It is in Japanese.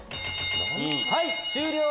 はい終了！